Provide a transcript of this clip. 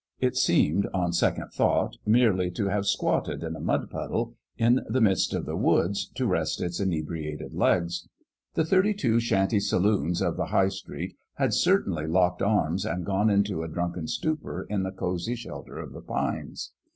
It seemed, on second thought, merely to have squatted in a mud puddle in the midst of the woods to rest its inebriated legs. The thirty two shanty saloons of the high street had certainly locked arms and gone into a drunken stupor in the cozy shelter of the pines.